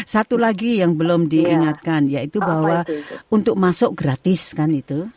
satu lagi yang belum diingatkan yaitu bahwa untuk masuk gratis kan itu